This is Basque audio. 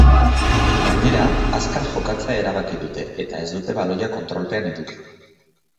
Gainera, azkar jokatzea erabaki dute, eta ez dute baloia kontrolpean eduki.